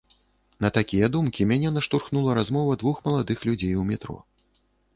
На такія думкі мяне наштурхнула размова двух маладых людзей у метро.